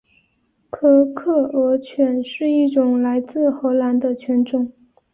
科克尔犬是一种来自荷兰的犬种。